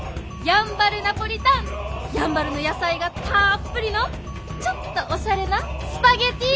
やんばるの野菜がたっぷりのちょっとおしゃれなスパゲッティ！